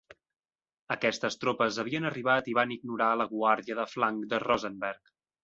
Aquestes tropes havien arribat i van ignorar la guàrdia de flanc de Rosenberg.